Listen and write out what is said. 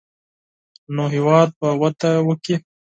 نو هېواد به وده وکړي.